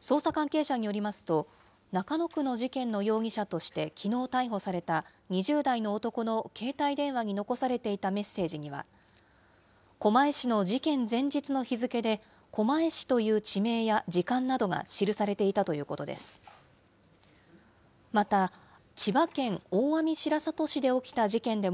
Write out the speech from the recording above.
捜査関係者によりますと、中野区の事件の容疑者としてきのう逮捕された２０代の男の携帯電話に残されていたメッセージには、狛江市の事件前日の日付で、狛江市という地名や時間などが記されていたということです。